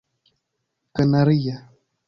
kanaria